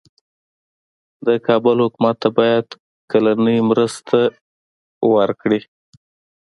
د کابل حکومت ته باید کلنۍ مالي مرسته ورکړي.